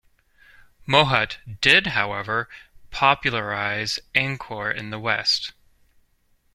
Mouhot did, however, popularise Angkor in the West.